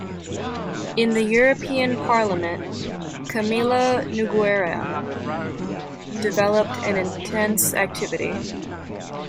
In the European Parliament, Camilo Nogueira developed an intense activity.